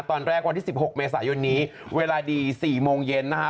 วันที่๑๖เมษายนนี้เวลาดี๔โมงเย็นนะฮะ